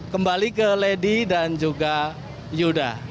kembali ke lady dan juga yuda